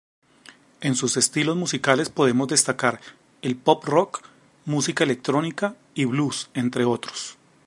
En sus estilos musicales podemos destacar el pop-rock, música electrónica y blues, entre otros.